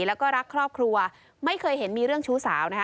แล้วก็รักครอบครัวไม่เคยเห็นมีเรื่องชู้สาวนะคะ